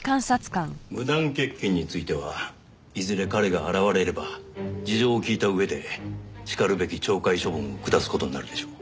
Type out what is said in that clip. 無断欠勤についてはいずれ彼が現れれば事情を聞いた上でしかるべき懲戒処分を下す事になるでしょう。